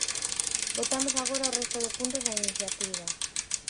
Votamos agora o resto de puntos da iniciativa.